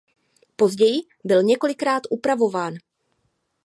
Později byl několikrát upravován.